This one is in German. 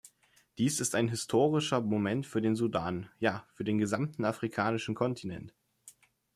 Dies ist ein historischer Moment für den Sudan, ja für den gesamten afrikanischen Kontinent.